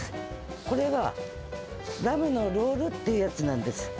これはラムのロールっていうやつなんです。